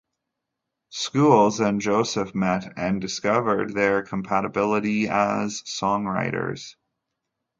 Schools and Joseph met and discovered their compatibility as songwriters.